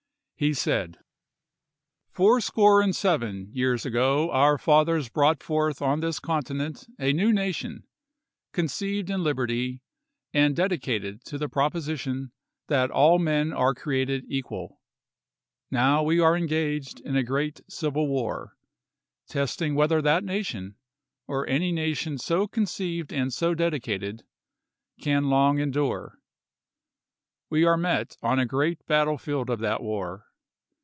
He said : Fourscore and seven years ago our fathers brought forth on this continent a new nation, conceived in lib erty, and dedicated to the proposition that all men are created equal. Now we are engaged in a great civil war, testing whether that nation, or any nation so conceived and so dedicated, can long endure. We are met on a great battlefield of that war.